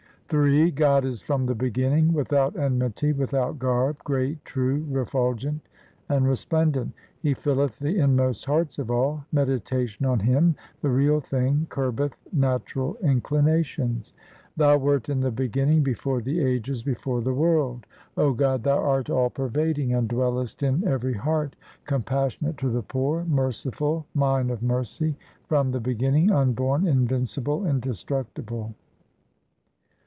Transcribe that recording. Ill God is from the beginning, without enmity, without garb, great, true, refulgent, and resplendent. He filleth the inmost hearts of all ; meditation on Him, the Real Thing, curbeth natural inclinations. Thou wert in the beginning, before the ages, before the world ; O God, Thou art all pervading and dwellest in every heart, Compassionate to the poor, merciful mine of mercy, from the beginning, unborn, invincible, indestructible.